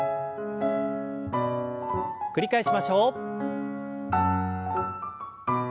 繰り返しましょう。